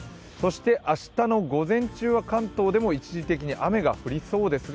明日の午前中は関東でも一時的に雨が降りそうですが